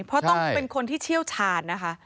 เพราะต้องเป็นคนที่เชี่ยวชาญนะคะ